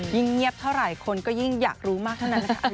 เงียบเท่าไหร่คนก็ยิ่งอยากรู้มากเท่านั้นนะคะ